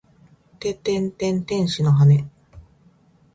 ててんてん天使の羽！